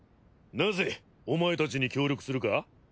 なぜお前たちに協力するか？